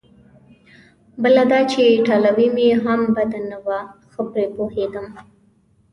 بله دا چې ایټالوي مې هم بده نه وه، ښه پرې پوهېدم.